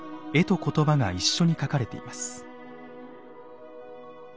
絵と言葉が一緒にかかれています。